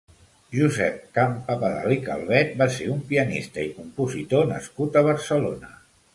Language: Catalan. Josep Campabadal i Calvet va ser un pianista i compositor nascut a Barcelona.